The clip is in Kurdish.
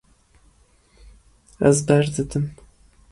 Ez berdidim.